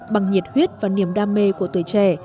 bằng nhiệt huyết và niềm đam mê của tuổi trẻ